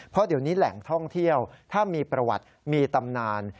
เพราะเดี๋ยวนี้แหล่งท่องเที่ยวถ้ามีประวัติมีตำนาน